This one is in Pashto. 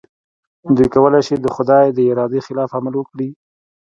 دوی کولای شي د خدای د ارادې خلاف عمل وکړي.